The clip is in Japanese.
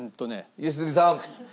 良純さん！